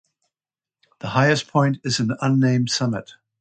The highest point is an unnamed summit.